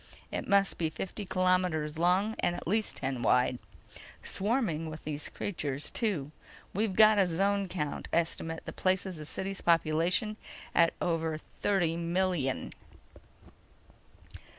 It must be fifty kilometers long and at least ten wide. Swarming with these creatures, too. We've got a zone count estimate that places the city's population at over thirty million."